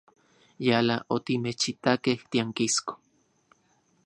Yala otimechitakej tiankisko.